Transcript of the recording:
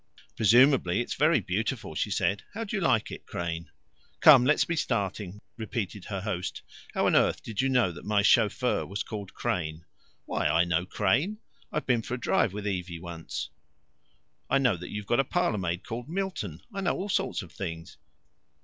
"Presumably it's very beautiful," she said. "How do you like it, Crane?" "Come, let's be starting," repeated her host. "How on earth did you know that my chauffeur was called Crane?" "Why, I know Crane: I've been for a drive with Evie once. I know that you've got a parlourmaid called Milton. I know all sorts of things."